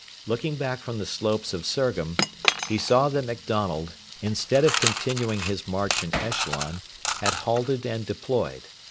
Looking back from the slopes of Surgham, he saw that MacDonald, instead of continuing his march in echelon, had halted and deployed.